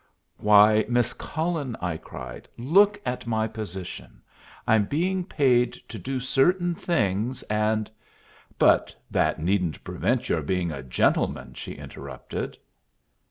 "Why, Miss Cullen," I cried, "look at my position. I'm being paid to do certain things, and " "But that needn't prevent your being a gentleman," she interrupted.